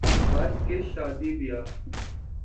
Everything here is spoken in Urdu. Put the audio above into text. بس کس شادی بیاہ